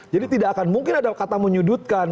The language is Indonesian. jadi tidak akan mungkin ada kata menyudutkan